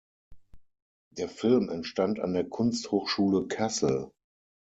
Der Film entstand an der Kunsthochschule Kassel.